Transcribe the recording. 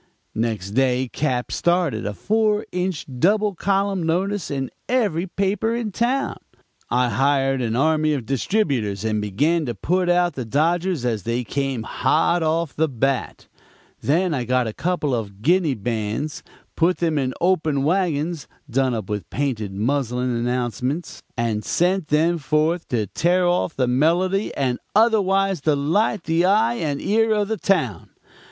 "Next day Cap. started a four inch double column notice in every paper in town. I hired an army of distributers and began to put out the dodgers as they came hot off the bat; then I got a couple of Guinea bands, put them in open wagons, done up with painted muslin announcements, and sent them forth to tear off the melody and otherwise delight the eye and ear of the town.